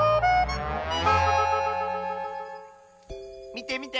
みてみて！